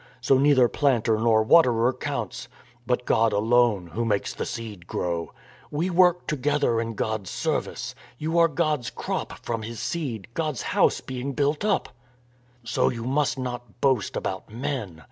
So neither planter nor waterer counts, but God alone Who makes the seed grow. We work together in God's service; you are God's crop from His seed, God's house being built up. ..." So you must not boast about men.